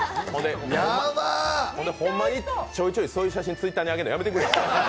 ほんまにちょいちょいそういう写真をＴｗｉｔｔｅｒに上げるのやめてくれ。